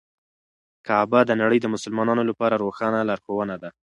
کعبه د نړۍ د مسلمانانو لپاره روښانه لارښوونه ده.